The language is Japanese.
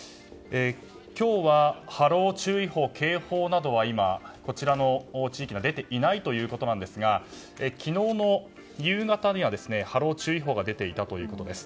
今日は波浪注意報、警報などは今、こちらの地域には出ていないということですが昨日の夕方には波浪注意報が出ていたということです。